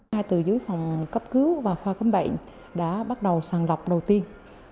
hai từ dưới phòng cấp cứu và khoa cấm bệnh đã bắt đầu sàn lọc đầu tiên